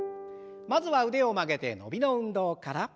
まずは腕を曲げて伸びの運動から。